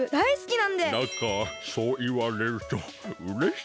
なんかそういわれるとうれしいな。